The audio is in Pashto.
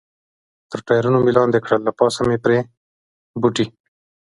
تر ټایرونو مې لاندې کړل، له پاسه مې پرې بوټي.